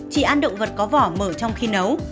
chỉ ăn động vật có vỏ mở trong khi nấu